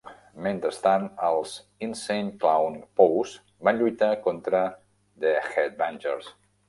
Mentrestant, els Insane Clowne Posse van lluitar contra The Headbangers.